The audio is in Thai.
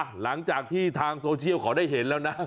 หลังจากที่ทางโซเชียลเขาได้เห็นแล้วนะ